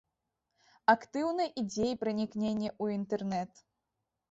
Актыўна ідзе і пранікненне ў інтэрнэт.